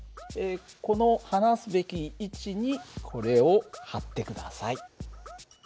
この放すべき位置にこれを貼ってください。